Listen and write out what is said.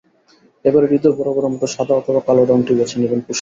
এবারের ঈদেও বরাবরের মতো সাদা অথবা কালো রংটিই বেছে নেবেন পোশাকে।